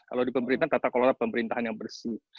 kalau di pemerintahan tata kelola pemerintahan yang bersih